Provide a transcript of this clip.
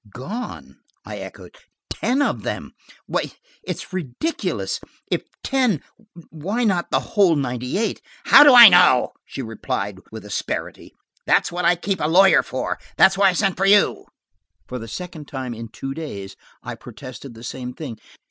"Gone!" I echoed. "Ten of them! Why, it's ridiculous! If ten, why not the whole ninety eight?" "How do I know?" she replied with asperity. "That's what I keep a lawyer for: that's why I sent for you." For the second time in two days I protested the same thing.